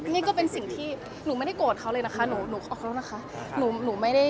นี่ก็เป็นสิ่งที่หนูไม่ได้โกรธเขาเลยนะคะ